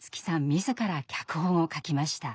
自ら脚本を書きました。